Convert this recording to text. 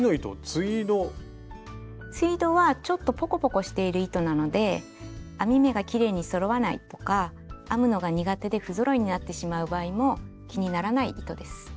ツイードはちょっとポコポコしている糸なので編み目がきれいにそろわないとか編むのが苦手で不ぞろいになってしまう場合も気にならない糸です。